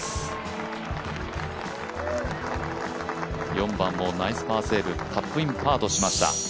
４番をナイスパーセーブ、タップインパーとしました。